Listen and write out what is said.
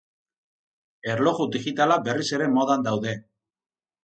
Erloju digitalak berriz ere modan daude.